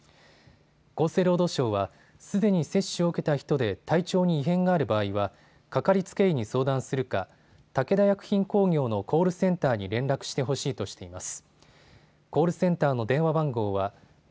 厚生労働省は、すでに接種を受けた人で体調に異変がある場合はかかりつけ医に相談するか武田薬品工業のコールセンターに連絡してほしいとしています。